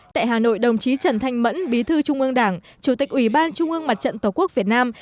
tại hà nội đồng chí trần thanh mẫn bí thư trung ương đảng chủ tịch ủy ban trung ương mặt trận tổ quốc việt nam